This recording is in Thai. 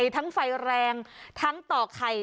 ทั้งไฟแรงทั้งต่อไข่